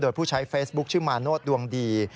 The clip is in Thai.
โดยผู้ใช้เฟซบุ๊คชื่อมาโนธดวงดี